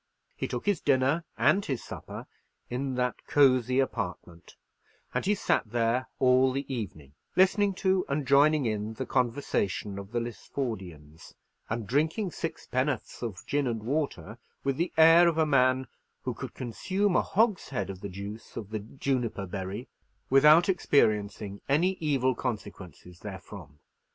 He took his dinner and his supper in that cosy apartment; and he sat there all the evening, listening to and joining in the conversation of the Lisfordians, and drinking sixpenn'orths of gin and water, with the air of a man who could consume a hogshead of the juice of the juniper berry without experiencing any evil consequences therefrom.